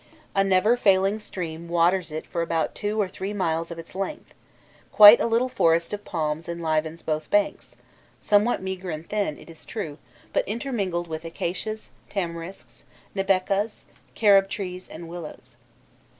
A never failing stream waters it for about two or three miles of its length; quite a little forest of palms enlivens both banks somewhat meagre and thin, it is true, but intermingled with acacias, tamarisks, nabecas, carob trees, and willows.